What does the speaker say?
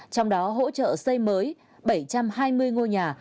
trong đó hỗ trợ xây mới bảy trăm hai mươi ngôi nhà